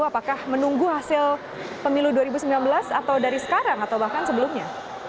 apakah menunggu hasil pemilu dua ribu sembilan belas atau dari sekarang atau bahkan sebelumnya